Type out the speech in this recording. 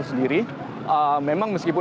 lima puluh orang ya